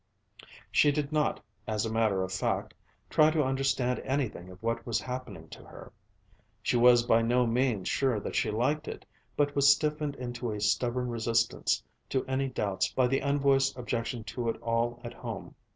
She did not, as a matter of fact, try to understand anything of what was happening to her. She was by no means sure that she liked it, but was stiffened into a stubborn resistance to any doubts by the unvoiced objection to it all at home.